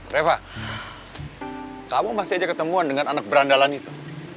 reva kamu masih aja ketemuan dengan anak berandalan itu